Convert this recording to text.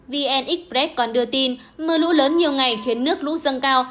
vnx press còn đưa tin mưa lũ lớn nhiều ngày khiến nước lũ dâng cao